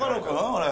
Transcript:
あれ。